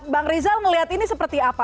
bang rizal melihat ini seperti apa